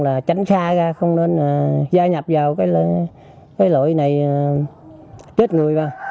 là tránh xa ra không nên gia nhập vào cái loại này tết người vào